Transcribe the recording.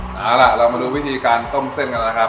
เอาล่ะเรามาดูวิธีการต้มเส้นกันนะครับ